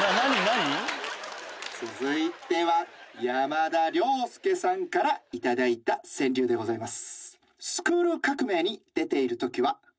続いては山田涼介さんから頂いた川柳でございます。